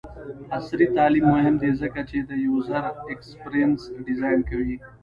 عصري تعلیم مهم دی ځکه چې د یوزر ایکسپیرینس ډیزاین کوي.